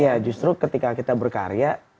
iya justru ketika kita berkarya